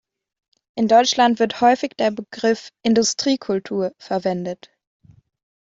In Deutschland wird häufig der Begriff „Industriekultur“ verwendet.